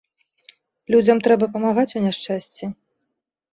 Людзям трэба памагаць у няшчасці.